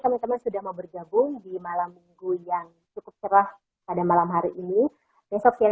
teman teman sudah mau bergabung di malam minggu yang cukup cerah pada malam hari ini besok siang